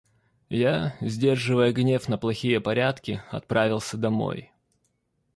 Я, сдерживая гнев на плохие порядки, отправился домой.